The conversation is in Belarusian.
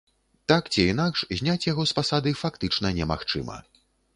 Так ці інакш, зняць яго з пасады фактычна немагчыма.